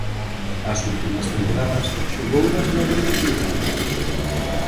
As últimas temporadas xogounas na Bundesliga.